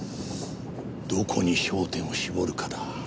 どこに焦点を絞るかだ。